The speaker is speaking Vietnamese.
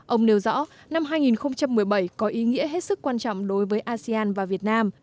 ông nêu rõ năm hai nghìn một mươi bảy có ý nghĩa hết sức quan trọng đối với asean và việt nam